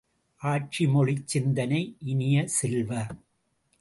ஆட்சிமொழிச் சிந்தனை இனிய செல்வ!